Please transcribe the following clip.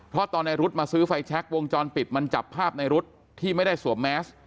เพราะตอนในรุ๊ดมาซื้อไฟแชควงจรปิดมันจับภาพในรุ๊ดที่ไม่ได้สวมแมส